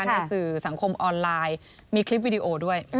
ในสื่อสังคมออนไลน์มีคลิปวิดีโอด้วย